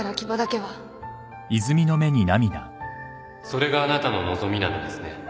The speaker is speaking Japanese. ・それがあなたの望みなのですね